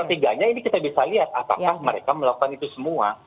ketiganya ini kita bisa lihat apakah mereka melakukan itu semua